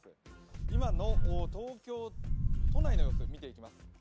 今の東京都内の様子を見ていきます。